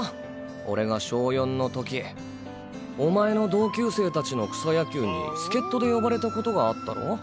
俺が小４の時お前の同級生達の草野球に助っ人で呼ばれたことがあったろ？